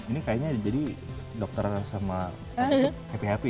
ini kayaknya jadi dokter sama happy happy